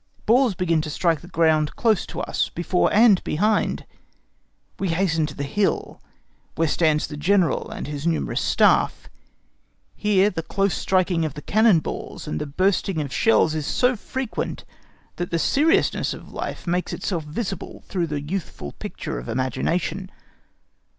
Balls begin to strike the ground close to us, before and behind. We hasten to the hill where stands the General and his numerous Staff. Here the close striking of the cannon balls and the bursting of shells is so frequent that the seriousness of life makes itself visible through the youthful picture of imagination.